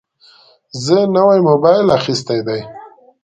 زه نوی موبایل اخیستی دی.